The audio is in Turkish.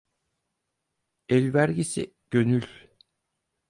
Elvergisi, gönül.